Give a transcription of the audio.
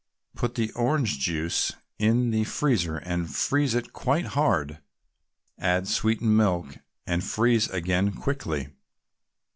Put orange juice in the freezer and freeze it quite hard; add sweetened milk, and freeze again quickly.